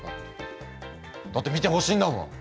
だって見てほしいんだもん。